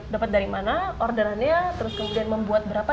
dapat dari mana orderannya terus kemudian membuat berapa